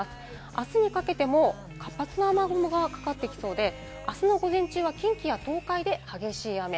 明日にかけても活発な雨雲がかかってきそうで、明日の午前中は近畿や東海で激しい雨。